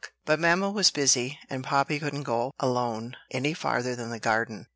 But mamma was busy, and Poppy couldn't go alone any farther than the garden.